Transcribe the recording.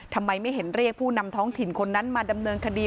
ทำไมไม่เห็นเรียกผู้นำท้องถิ่นคนนั้นมาดำเนินคดี